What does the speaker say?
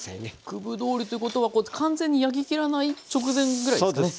九分どおりということは完全に焼き切らない直前ぐらいですかね。